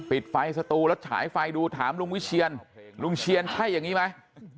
ปิดไฟสตูแล้วฉายไฟดูถามลุงวิเชียนลุงเชียนใช่อย่างนี้ไหม